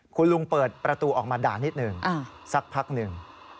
คุณลุงเปิดประตูออกมาด่านิดหนึ่งสักพักหนึ่ง